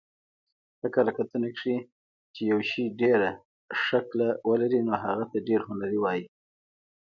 په کره کتنه کښي، چي یوشي ډېره ښکله ولري نو هغه ته ډېر هنري وايي.